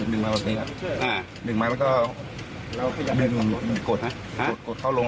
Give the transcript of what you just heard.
ดึงมาทั้งพวกนะครับดึงไปทางนู้นดึงไม่ได้ดึงไปทางหลัง